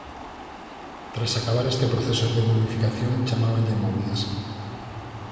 Tras acabar este proceso de momificación chamábanlle "momias".